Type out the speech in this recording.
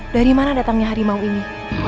dari mana datangnya harimau ini